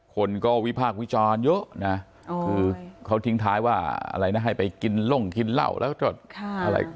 คนก็วิพากษ์วิจารณ์เยอะนะคือเขาทิ้งท้ายว่าอะไรนะให้ไปกินล่งกินเหล้าแล้วจดอะไร